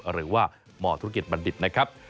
หรือว่าหมอธุรกิจบัณฑิตนะครับ